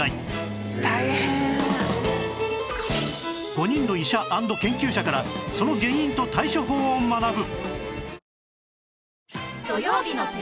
５人の医者＆研究者からその原因と対処法を学ぶ